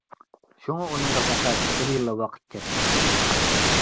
شۇڭا ئۇنىڭغا پەقەت بىر يىللا ۋاقىت كەتتى.